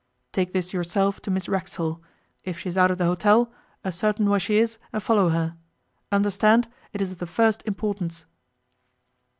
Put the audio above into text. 'Take this yourself to Miss Racksole. If she is out of the hotel, ascertain where she is and follow her. Understand, it is of the first importance.